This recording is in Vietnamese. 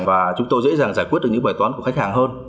và chúng tôi dễ dàng giải quyết được những bài toán của khách hàng hơn